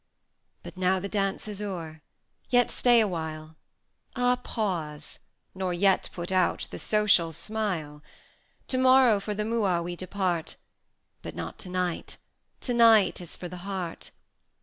III. But now the dance is o'er yet stay awhile; Ah, pause! nor yet put out the social smile. To morrow for the Mooa we depart, But not to night to night is for the heart.